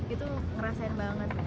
itu ngerasain banget